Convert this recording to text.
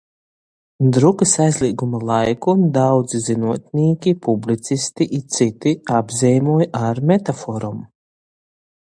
Drukys aizlīguma laiku daudzi zynuotnīki, publicisti i cyti apzeimoj ar metaforom